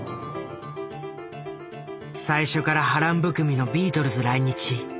最初から波乱含みのビートルズ来日。